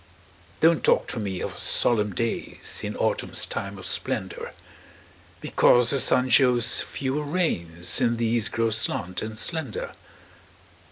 Don't talk to me of solemn days In autumn's time of splendor, Because the sun shows fewer rays, And these grow slant and slender.